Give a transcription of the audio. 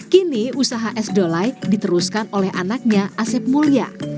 kini usaha es dolight diteruskan oleh anaknya asep mulya